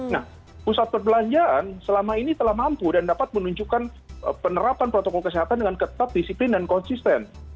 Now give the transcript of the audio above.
nah pusat perbelanjaan selama ini telah mampu dan dapat menunjukkan penerapan protokol kesehatan dengan ketat disiplin dan konsisten